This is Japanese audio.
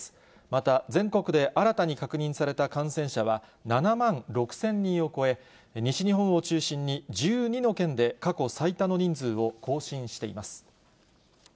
また、全国で新たに確認された感染者は７万６０００人を超え、西日本を中心に、１２の県で過去最多の人数を更新しています。